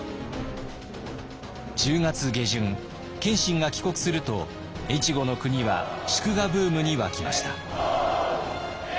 １０月下旬謙信が帰国すると越後の国は祝賀ブームに沸きました。